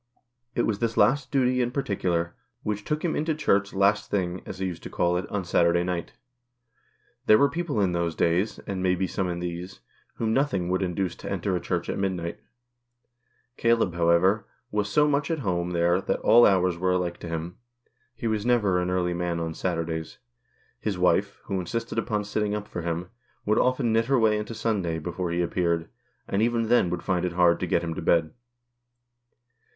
It was this last duty in particular, which took him into Church "last thing," as he used to call it, on Saturday night. There were people in those days, and may be some in these, whom nothing would induce to enter a Church at mid night ; Caleb, however, was so much at home there that all hours were alike to him. He was never an early man on Saturdays. His wife, who insisted upon sitting up for him, would often knit her way into Sunday before he appeared, and even then woiild find it hard to get him to bed.